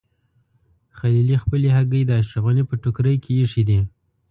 خلیلي خپلې هګۍ د اشرف غني په ټوکرۍ کې ایښي دي.